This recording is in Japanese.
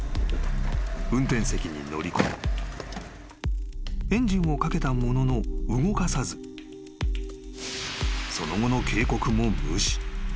［運転席に乗り込みエンジンをかけたものの動かさずその後の］